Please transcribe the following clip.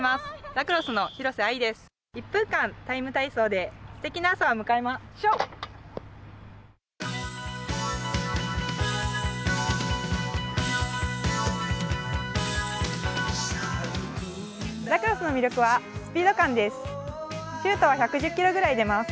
ラクロスの魅力はスピード感です。